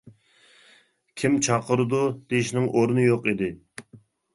كىم چاقىرىدۇ، دېيىشنىڭ ئورنى يوق ئىدى.